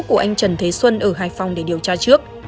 của anh trần thế xuân ở hải phòng để điều tra trước